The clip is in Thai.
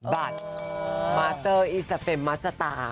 บาทมาเตอร์อีสาเฟมมัสตา